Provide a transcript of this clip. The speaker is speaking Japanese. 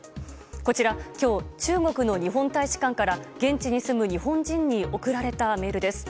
こちら、きょう、中国の日本大使館から現地に住む日本人に送られたメールです。